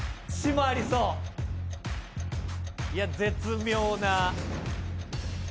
いや絶妙な。